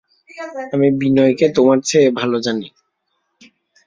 আমি বিনয়কে তোমার চেয়ে ভালো জানি।